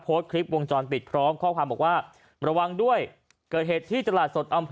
โพสต์คลิปวงจรปิดพร้อมข้อความบอกว่าระวังด้วยเกิดเหตุที่ตลาดสดอำเภอ